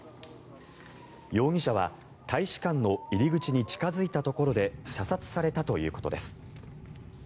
容疑者は大使館の入り口に近付いたところで射殺されたということです。